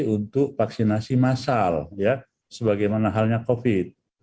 untuk vaksinasi masal ya sebagaimana halnya covid